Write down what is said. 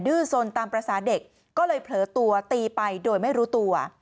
ื้อสนตามภาษาเด็กก็เลยเผลอตัวตีไปโดยไม่รู้ตัว